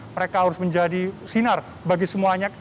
mereka harus menjadi sinar bagi semuanya